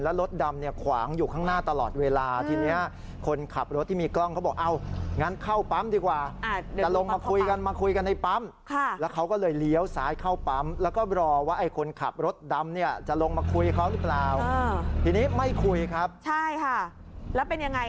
เหมือนกับเบิ้ลเครื่องไปกันชา